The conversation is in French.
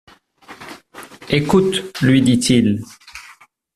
Écoute, lui dit-il.